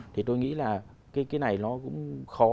thì tôi nghĩ là cái này nó cũng khó